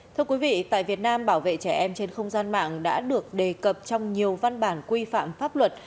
thưa quý vị tại việt nam bảo vệ trẻ em trên không gian mạng đã được đề cập trong nhiều văn bản quy phạm pháp luật